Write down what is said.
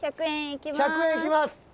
１００円いきます